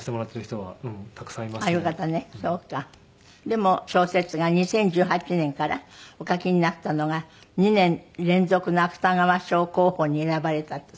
でも小説が２０１８年からお書きになったのが２年連続の芥川賞候補に選ばれたって。